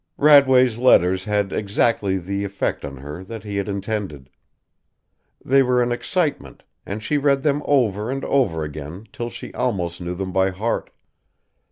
Radway's letters had exactly the effect on her that he had intended. They were an excitement, and she read them over and over again till she almost knew them by heart.